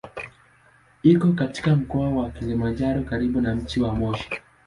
Iko katika Mkoa wa Kilimanjaro karibu na mji wa Moshi.